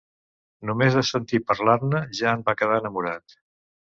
Només de sentir parlar-ne ja en va quedar enamorat.